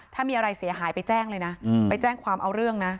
ถ้ามีอะไรเสียหายไปแจ้งเลยนะไปแจ้งความเอาเรื่องนะ